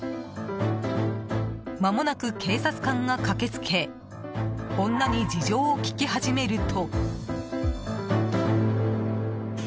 まもなく警察官が駆けつけ女に事情を聴き始めると。